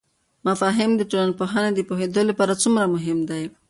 مفاهیم د ټولنپوهنې د پوهیدو لپاره څومره مهم دي؟